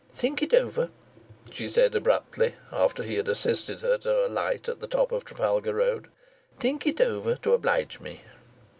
"Think it over," she said abruptly, after he had assisted her to alight at the top of Trafalgar Road. "Think it over, to oblige me."